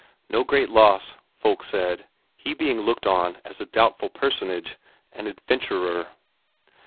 No great loss, folk said, he being looked on as a doubtful personage, an adventurer.